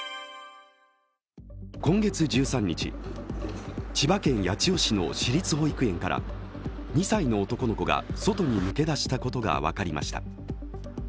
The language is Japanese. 今月１３日、千葉県八千代市の私立保育園から２歳の男の子が外に抜け出したことが分かりました。